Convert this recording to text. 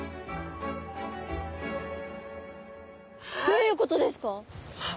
どういうことですか？